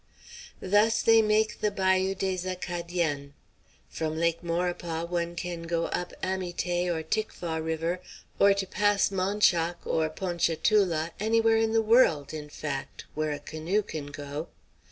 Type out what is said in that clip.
Thus they make the Bayou des Acadiens. From Lake Maurepas one can go up Amite or Tickfaw River, or to Pass Manchac or Pontchatoula, anywhere in the world, in fact, where a canoe can go.